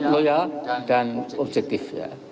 loyal dan objektif